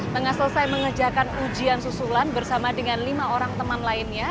tengah selesai mengerjakan ujian susulan bersama dengan lima orang teman lainnya